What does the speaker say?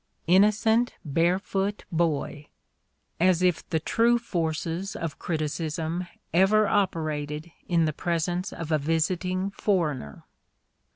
Innocent barefoot boy! As if the true forces of criticism ever operated in the presence of a visiting foreigner